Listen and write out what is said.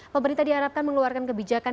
pemerintah diharapkan mengeluarkan kebijakan